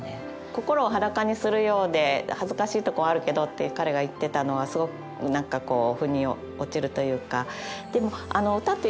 心を裸にするようで恥ずかしいとこあるけどって彼が言ってたのはすごく何かこうふに落ちるというか。